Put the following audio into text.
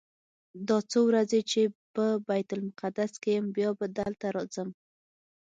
دا څو ورځې چې په بیت المقدس کې یم بیا به دلته راځم.